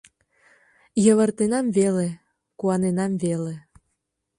Йывыртенам веле, куаненам веле